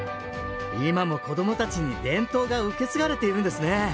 今も子供たちに伝統が受け継がれているんですね。